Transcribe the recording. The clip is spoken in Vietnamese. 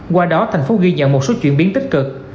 qua đó thành phố ghi nhận một số chuyển biến tích cực